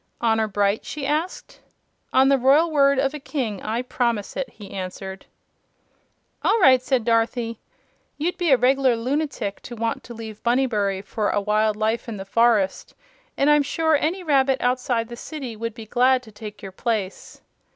"Honor bright?" she asked. "On the royal word of a King I promise it!" he answered. "All right," said Dorothy. "You'd be a reg'lar lunatic to want to leave Bunnybury for a wild life in the forest, and I'm sure any rabbit outside the city would be glad to take your place."